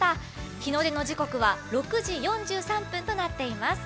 日の出の時刻は６時４３分となっています。